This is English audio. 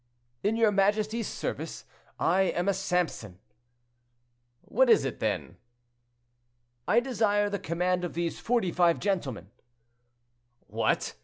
"In your majesty's service, I am a Samson." "What is it, then?" "I desire the command of these forty five gentlemen." "What!